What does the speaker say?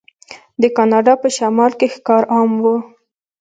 د کاناډا په شمال کې ښکار عام و.